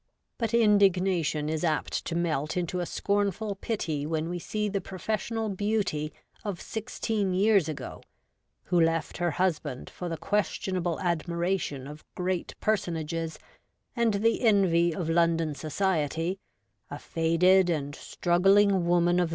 But indignation is apt to melt into a scornful pity when we see the Professional Beauty of sixteen years ago, who left her husband for the questionable admiration of great Personages and the envy of London Society, a faded and struggling woman of WOMAN UP TO DATE.